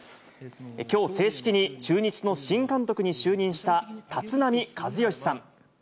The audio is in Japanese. きょう、正式に中日の新監督に就任した立浪和義さん。